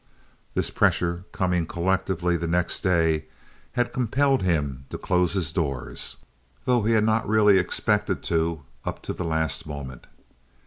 This pressure, coming collectively the next day, had compelled him to close his doors, though he had not really expected to up to the last moment.